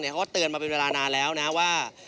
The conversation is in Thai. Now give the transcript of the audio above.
เขาก็เตือนมาเป็นเวลานานแล้วนะว่า